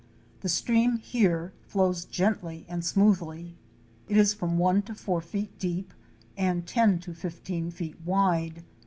The stream here flows gently and smoothly; it is from one to four feet deep, and ten to fifteen feet wide.